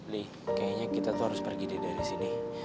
li kayaknya kita tuh harus pergi dari sini